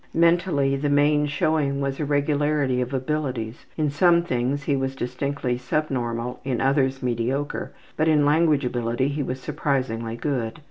Mentally, the main showing was irregularity of abilities; in some things he was distinctly subnormal, in others mediocre, but in language ability he was surprisingly good.